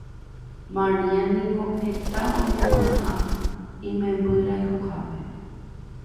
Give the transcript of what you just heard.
Maria niko heta oñepiaʼã imemby rayhupápe.